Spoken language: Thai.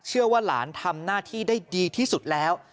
หลานทำหน้าที่ได้ดีที่สุดแล้ว